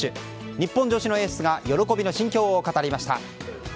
日本女子のエースが喜びの心境を語りました。